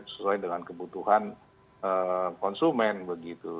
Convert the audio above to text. sesuai dengan kebutuhan konsumen begitu